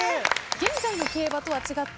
現在の競馬とは違って。